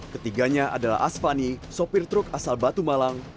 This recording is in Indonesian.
ketiganya adalah asvani sopir truk asal batu malang